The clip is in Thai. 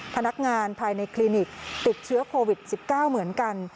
พนักงานภายในคลินิกติดเชื้อโควิด๑๙เหมือนกัน